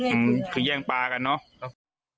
อืมคือแย่งปลากันเนอะครับ